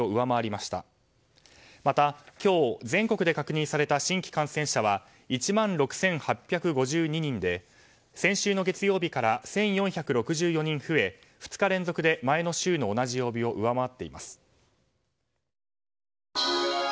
また、今日全国で確認された新規感染者は１万６８５２人で先週の月曜日から１４６２人増え２日連続で前の週の同じ曜日を上回っています。